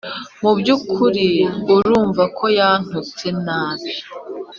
mu by’ukuri urumva ko yantutse nabi